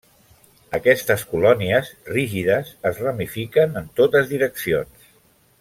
Aquestes colònies, rígides, es ramifiquen en totes direccions.